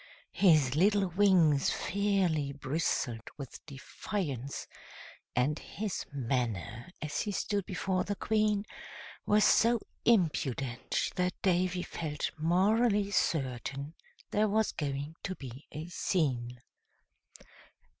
His little wings fairly bristled with defiance, and his manner, as he stood before the Queen, was so impudent, that Davy felt morally certain there was going to be a scene.